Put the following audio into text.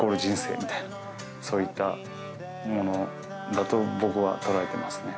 そういったものだと僕は捉えてますね。